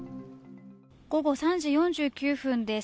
午後３時４９分です。